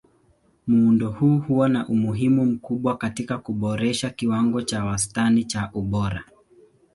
Muundo huu huwa na umuhimu mkubwa katika kuboresha kiwango cha wastani cha ubora.